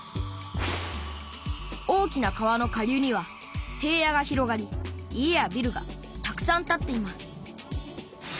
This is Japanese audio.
大きな川の下流には平野が広がり家やビルがたくさん建っています。